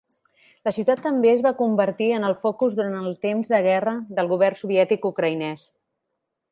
La ciutat també es va convertir en el focus durant el temps de guerra del govern soviètic ucraïnès.